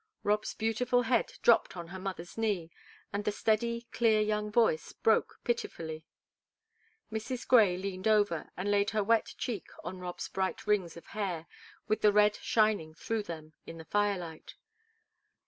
Rob's beautiful head dropped on her mother's knee, and the steady, clear, young voice broke pitifully. Mrs. Grey leaned over and laid her wet cheek on Rob's bright rings of hair, with the red shining through them in the firelight.